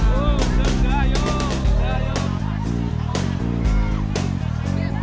berapa lama tadi ngantrinya